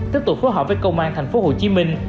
tiếp tục phối hợp với công an thành phố hồ chí minh